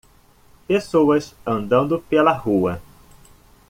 Pessoas andando pela rua.